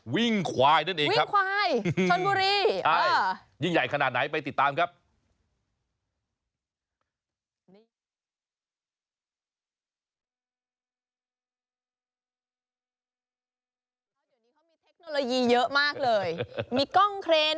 วิ่งขวายนั่นเองครับยิ่งใหญ่ขนาดไหนไปติดตามครับค่ะ